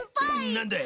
なんだい？